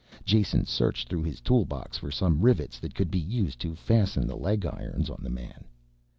Jason searched through his tool box for some rivets that could be used to fasten the leg irons on the man.